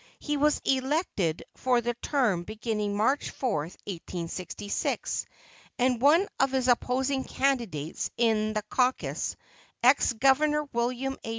He was elected for the term beginning March 4, 1866, and one of his opposing candidates in the caucus ex Governor William A.